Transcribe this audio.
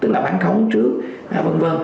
tức là bán khống trước v v